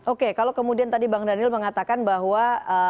oke kalau kemudian tadi bang daniel mengatakan bahwa